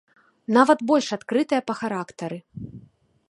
Нават больш адкрытыя па характары.